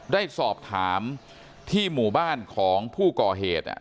ได้สอบถามที่หมู่บ้านของผู้ก่อเหตุ